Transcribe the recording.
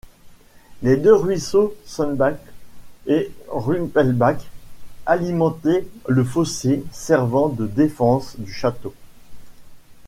Les deux ruisseaux Sembach et Rumpelbach alimentaient le fossé servant de défense du château.